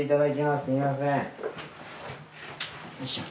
すみません。